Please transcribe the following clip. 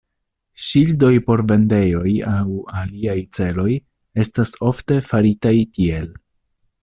Ŝildoj por vendejoj aŭ aliaj celoj estas ofte faritaj tiel.